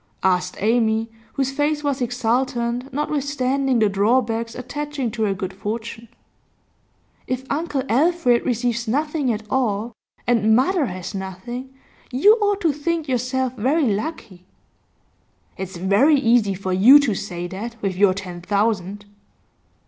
asked Amy, whose face was exultant notwithstanding the drawbacks attaching to her good fortune. 'If Uncle Alfred receives nothing at all, and mother has nothing, you ought to think yourself very lucky.' 'It's very easy for you to say that, with your ten thousand.